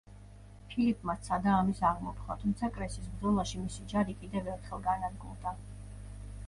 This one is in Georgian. ფილიპმა სცადა ამის აღმოფხვრა, თუმცა კრესის ბრძოლაში მისი ჯარი კიდევ ერთხელ განადგურდა.